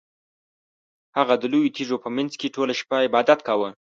هغه د لویو تیږو په مینځ کې ټوله شپه عبادت کاوه.